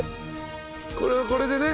これはこれでね。